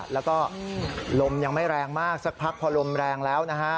แล้วก็ลมยังไม่แรงมากสักพักพอลมแรงแล้วนะฮะ